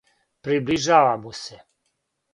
Приближава му се.